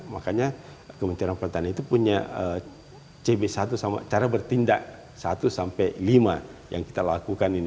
makanya kementerian pertanian itu punya cb satu sama cara bertindak satu sampai lima yang kita lakukan ini